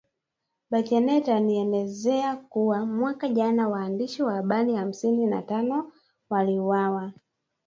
Bachelet alielezea kuwa mwaka jana waandishi wa habari hamsini na tano waliuwawa